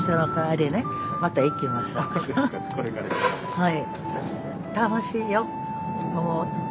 はい。